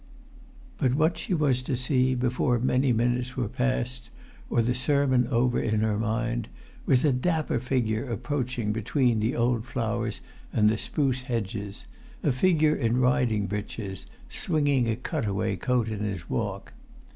But what she was to see, before many minutes were past, or the sermon over in her mind, was a dapper figure approaching between the old flowers[Pg 326] and the spruce hedges, a figure in riding breeches, swinging a cutaway coat in his walk.